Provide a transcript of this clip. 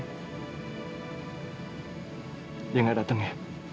dia gak dateng ya